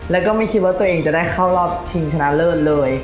แล้วก็ไม่คิดว่าตัวเองจะได้เข้ารอบชิงชนะเลิศเลย